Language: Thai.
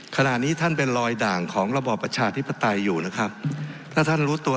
ขณะนี้ท่านเป็นรอยด่างของระบอบประชาธิปไตยอยู่นะครับถ้าท่านรู้ตัว